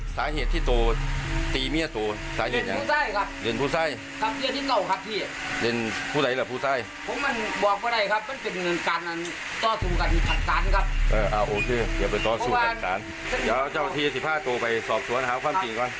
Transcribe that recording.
เดี๋ยวเอาเจ้าอาทีย์สิบห้าตัวไปสอบสวนหาความจริงก่อน